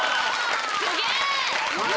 ・すげえ！